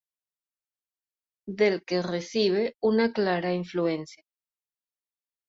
Del que recibe una clara influencia.